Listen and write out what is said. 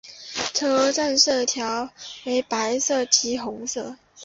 车站色调为白色及红色。